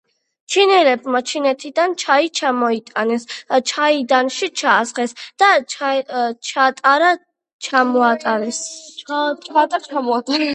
ჩინელებმა ჩინეთიდან ჩაი ჩამოიტანეს ჩაიდანში ჩაასხეს და ჩაატარ ჩამოატარეს.